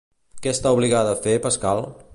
Què està obligada a fer Pascal?